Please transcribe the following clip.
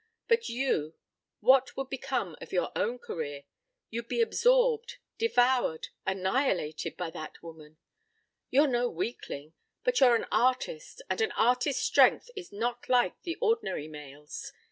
But you what would become of your own career? You'd be absorbed, devoured, annihilated by that woman. You're no weakling, but you're an artist and an artist's strength is not like the ordinary male's.